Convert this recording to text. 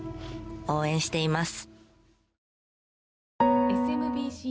応援しています！